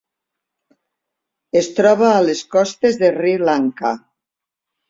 Es troba a les costes de Sri Lanka.